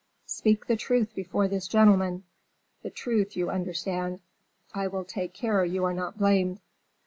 "Speak the truth before this gentleman the truth, you understand. I will take care you are not blamed."